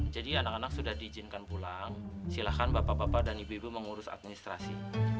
jadi anak anak sudah diizinkan pulang silahkan bapak bapak dan ibu ibu mengurus administrasi